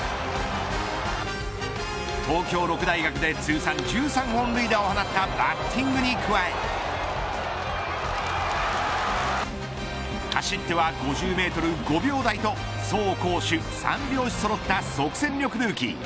東京六大学で通算１３本塁打を放ったバッティングに加え走っては５０メートル５秒台と走攻守三拍子そろった即戦力ルーキー。